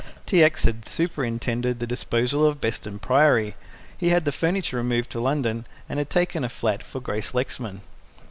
T. X. had superintended the disposal of Beston Priory. He had the furniture removed to London, and had taken a flat for Grace Lexman.